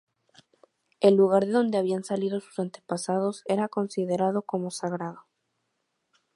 El lugar de donde habían salido sus antepasados era considerado como sagrado.